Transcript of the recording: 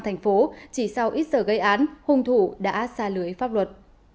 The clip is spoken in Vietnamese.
thành phố chỉ sau ít giờ gây án hung thủ đã xa lưới pháp luật